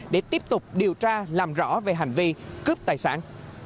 để tiếp tục điều tra làm rõ về hành vi cướp tài sản